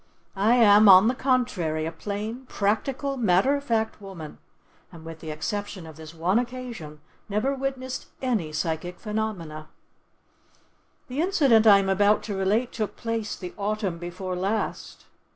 I am, on the contrary, a plain, practical, matter of fact woman, and with the exception of this one occasion, never witnessed any psychic phenomena. The incident I am about to relate took place the autumn before last.